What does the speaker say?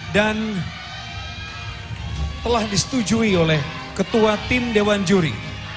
dan telah disetujui oleh ketua tim dewan juri